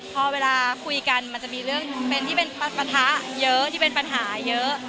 พอเวลาคุยกันมันจะมีเรื่องเป็นที่เป็นปะทะเยอะที่เป็นปัญหาเยอะ